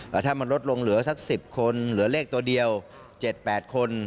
แต่ถ้ามันลดลงเหลือสัก๑๐คนเหลือเลขตัวเดียว๗๘คน